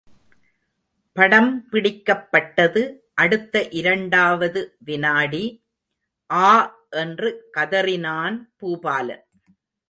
படம் பிடிக்கப்பட்டது அடுத்த இரண்டாவது வினாடி– ஆ! என்று கதறினான் பூபாலன்.